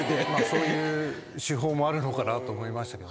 そういう手法もあるのかなと思いましたけどね。